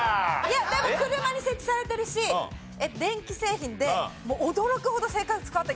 でも車に設置されてるし電気製品でもう驚くほど生活変わった。